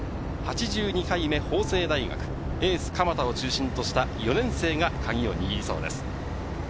８２回目法政大学、エース・鎌田を中心とした４年生がカギを握りそうです。